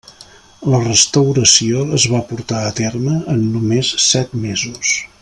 La restauració es va portar a terme en només set mesos.